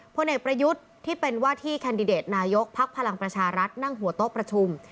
พลเอกประยุทธ์ที่เป็นว่าที่แคนดิเดตนายกภักดิ์พลังประชารัฐนั่งหัวโต๊ะประชุม